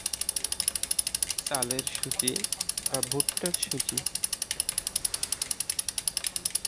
যেমন চালের সুজি বা ভুট্টার সুজি।